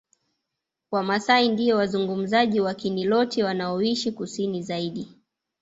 Wamasai ndio wazungumzaji wa Kiniloti wanaoishi Kusini zaidi